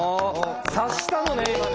察したのね今ね！